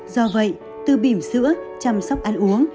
do vậy từ bìm sữa chăm sóc ăn uống